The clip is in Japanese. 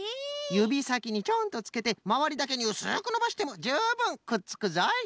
ゆびさきにちょんとつけてまわりだけにうすくのばしてもじゅうぶんくっつくぞい！